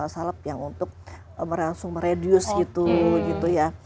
salep yang untuk merangsung meredius gitu